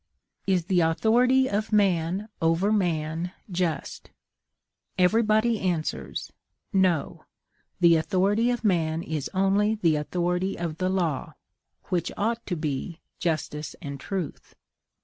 Is the authority of man over man just? Everybody answers, "No; the authority of man is only the authority of the law, which ought to be justice and truth."